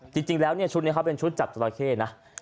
จริงแล้วเนี่ยชุดนี้เขาเป็นชุดจับสตาร์เข้นะ